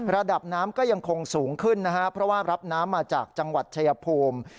ระดับน้ำก็ยังคงสูงขึ้นนะฮะเพราะว่ารับน้ำมาจากจังหวัดชายภูมิ